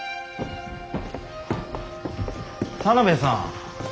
田邊さん。